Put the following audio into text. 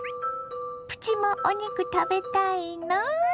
プチもお肉食べたいの？